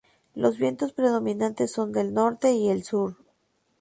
Los vientos predominantes son del norte y el sur.